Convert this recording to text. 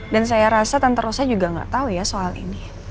dan saya rasa tante rosa juga gak tahu ya soal ini